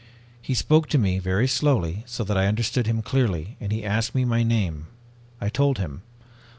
He spoke to me, very slowly, so that I understood him clearly, and he asked me my name. I told him.